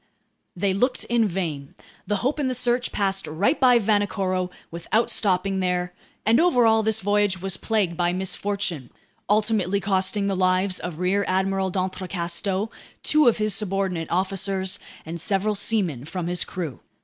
They looked in vain. The Hope and the Search passed right by Vanikoro without stopping there; and overall, this voyage was plagued by misfortune, ultimately costing the lives of Rear Admiral d'Entrecasteaux, two of his subordinate officers, and several seamen from his crew.